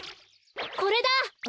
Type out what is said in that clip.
これだ！